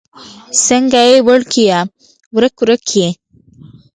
څنګه يې وړکيه؛ ورک ورک يې؟